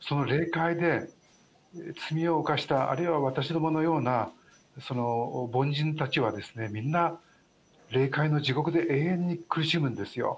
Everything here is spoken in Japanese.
その霊界で、罪を犯した、あるいは私どものような凡人たちは、みんな、霊界の地獄で永遠に苦しむんですよ。